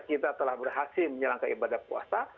kita telah berhasil menyerangkan ibadah puasa